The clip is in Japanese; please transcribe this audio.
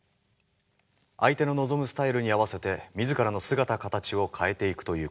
相手の望むスタイルに合わせて自らの姿形を変えていくということです。